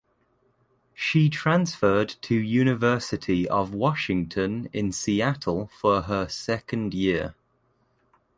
She transferred to University of Washington in Seattle for her second year.